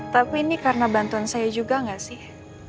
tapi ini karena bantuan saya juga nggak sih